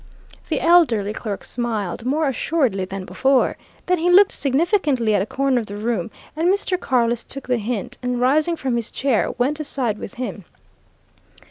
The elderly clerk smiled more assuredly than before. Then he looked significantly at a corner of the room, and Mr. Carless took the hint, and rising from his chair, went aside with him.